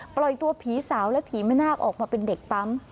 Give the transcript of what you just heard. ปล่อยตัวผีสาวและผีแม่นาคออกมาเป็นเด็กปั๊ม